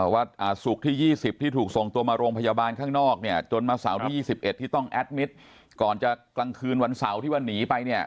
วัดอสุขที่๒๐ที่ถูกต้องมาโรงพยาบาลข้างนอกจนสาวที่๒๑ที่ต้องปฐมการกว่ากลางคืนวันสาวที่วันหนีไป